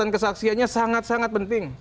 kesaksiannya sangat sangat penting